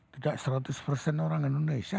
tidak seratus persen orang indonesia